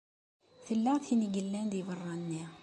Tella tin i yellan di beṛṛa-nni.